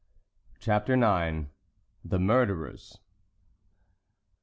CHAPTER IX. THE MURDERERS.